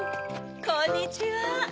こんにちは。